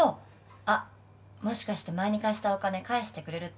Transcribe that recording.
あっもしかして前に貸したお金返してくれるって？